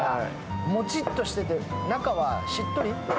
もちっとしてて、中はしっとり？